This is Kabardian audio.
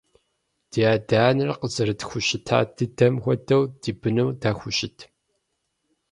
Ди адэ-анэр къызэрытхущыта дыдэм хуэдэу ди быным дахущыт?